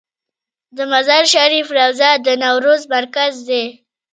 د مزار شریف روضه د نوروز مرکز دی